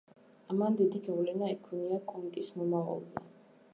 ამან დიდი გავლენა იქონია კონტის მომავალზე.